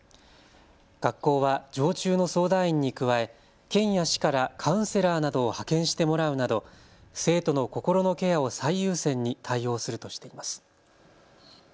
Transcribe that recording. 学校は常駐の相談員に加え県や市からカウンセラーなどを派遣してもらうなど生徒の心のケアを最優先に対応するとしています。